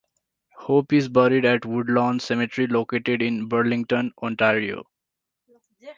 Hope is buried at Woodlawn Cemetery located in Burlington, Ontario.